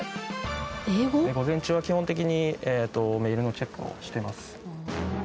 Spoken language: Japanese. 午前中は基本的にメールのチェックをしてます。